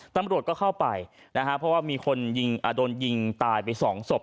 ตำรวจก็เข้าไปนะฮะเพราะว่ามีคนยิงโดนยิงตายไปสองศพ